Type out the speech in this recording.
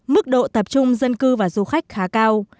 mức độ tập trung dân cư và du khách khá cao